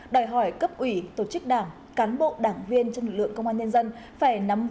đòi hỏi cấp ủy tổ chức đảng cán bộ đảng viên trong lực lượng công an nhân dân